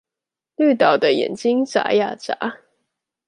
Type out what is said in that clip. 綠島的眼睛眨呀眨